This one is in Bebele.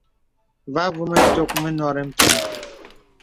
Vὰ àvə mə tòk mə nòrí mpiàŋ.